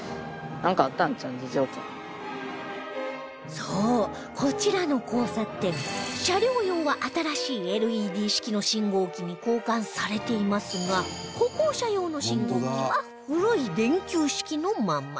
そうこちらの交差点車両用は新しい ＬＥＤ 式の信号機に交換されていますが歩行者用の信号機は古い電球式のまま